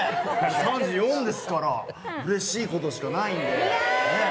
３４ですからうれしいことしかないんで。